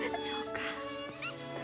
そうか。